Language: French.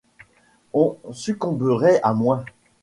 On succomberait à moins!